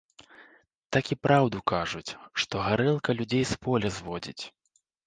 Такі праўду кажуць, што гарэлка людзей з поля зводзіць.